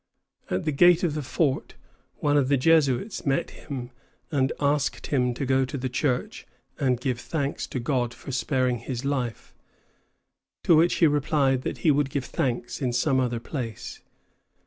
At the gate of the fort one of the Jesuits met him, and asked him to go into the church and give thanks to God for sparing his life, to which he replied that he would give thanks in some other place.